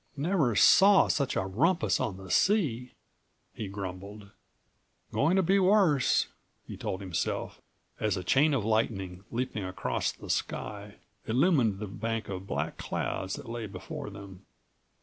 "Never saw such a rumpus on the sea," he grumbled. "Going to be worse," he told himself164 as a chain of lightning, leaping across the sky, illumined the bank of black clouds that lay before them.